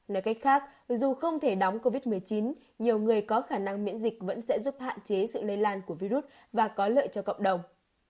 nói cách khác dù không thể đóng covid một mươi chín nhiều người có khả năng miễn dịch vẫn sẽ giúp hạn chế sự lây lan của virus và có lợi cho cộng đồng